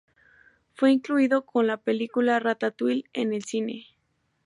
Fue incluido con la película Ratatouille en el cine.